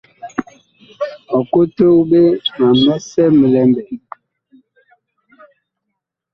Ɔ kotog ɓe ma misɛ mi lɛ mɓɛɛŋ.